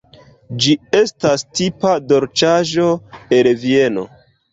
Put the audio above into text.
Ĝi estas tipa dolĉaĵo el Vieno.